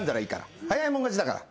早い者勝ちだから。